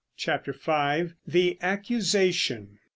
CHAPTER V. THE ACCUSATION.